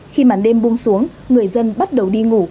khi màn đêm buông xuống người dân bắt đầu đi ngủ